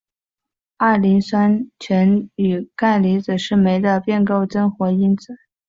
二磷酸腺苷与钙离子是酶的变构增活因子。